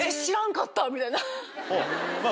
みたいな。